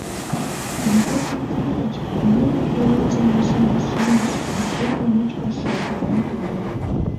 Егор Пантелеич мыйым пеленже машинаш шындыш да корно мучко шылтален тольо.